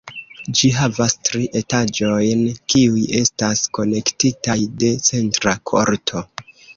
Ĝi havas tri etaĝojn, kiuj estas konektitaj de centra korto.